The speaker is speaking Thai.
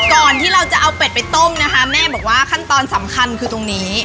ก่อนที่เราจะเอาเป็ดไปต้มนะคะแม่บอกว่าขั้นตอนสำคัญคือตรงนี้